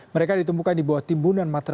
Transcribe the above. mereka ditemukan di bawah timbunan material